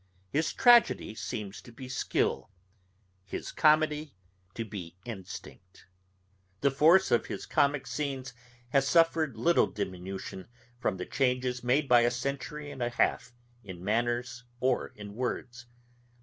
His tragedy seems to be skill, his comedy to be instinct. The force of his comick scenes has suffered little diminution from the changes made by a century and a half, in manners or in words.